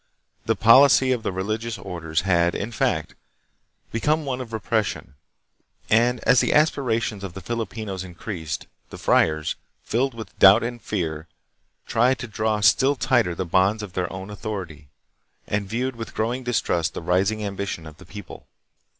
The policy of the religious orders had, in fact, become one of repression, and as the aspirations of the Filipinos in creased, the friars, filled with doubt and fear, tried to draw still tighter the bonds of their own authority, and viewed with growing distrust the rising ambition of the people.